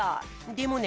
でもね